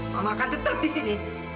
mama akan tetap di sini